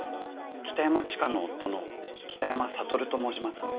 北山知花の夫の北山悟と申します。